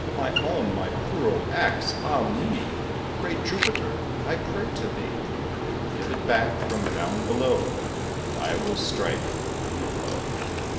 "My own, my poor old axe! Ah! me, Great Jupiter, I pray to thee; But give it back from down below, And I will strike for thee a blow."